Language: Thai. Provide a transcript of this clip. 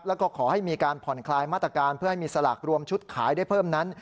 แล้วก็ขอให้มีการผ่อนคลายมาตรการเพื่อให้มีสลากรวมชุดขายได้เพิ่มนั้น